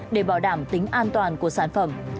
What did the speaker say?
để bảo đảm tính an toàn của sản phẩm